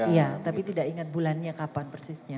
iya tapi tidak ingat bulannya kapan persisnya